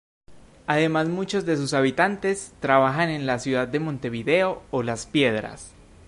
Además muchos de sus habitantes trabajan en la ciudad de Montevideo o Las Piedras.